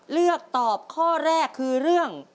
เลือกตอบข้อแรกคือเรื่อง